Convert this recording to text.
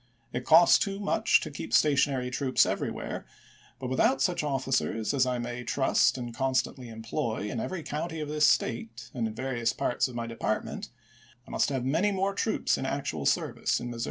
It costs too much to keep stationary troops everywhere, but without such officers as I may trust and constantly employ in every county of this State and in various parts of my de partment, I must have many more troops in actual service in Missouri.